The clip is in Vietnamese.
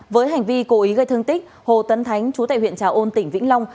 với hành vi cố ý gây thương tích hồ tấn chú tại huyện trà ôn tỉnh vĩnh long